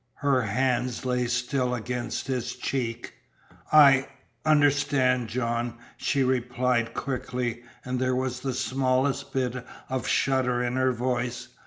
Her hands lay still against his cheek. "I understand, John," she replied quickly, and there was the smallest bit of a shudder in her voice.